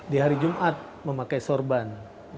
di hari jumat memakai sorban